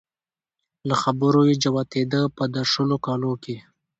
له خبرو يې جوتېده په د شلو کلو کې